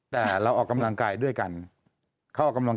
แต่กำลังได้มาก่อน